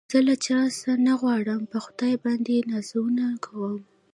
زه له چا څه نه غواړم په خدای باندې نازونه کوم